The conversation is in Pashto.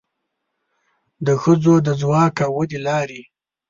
د ښځو د ځواک او ودې لارې